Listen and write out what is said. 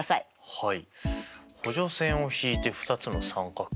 はい。